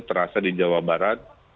terasa di jawa barat